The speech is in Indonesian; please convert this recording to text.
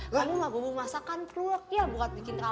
selamat menikmati ya kaki tua